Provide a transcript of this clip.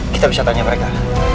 kita bisa tanya mereka